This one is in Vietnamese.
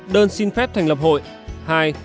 một đơn xin phép thành lập hội